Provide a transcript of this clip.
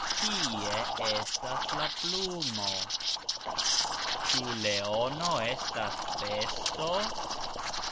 Kie estas la plumo? Cxu leono estas besto?